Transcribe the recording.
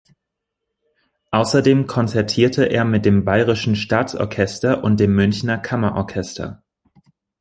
Außerdem konzertierte er mit dem Bayerischen Staatsorchester und dem Münchener Kammerorchester.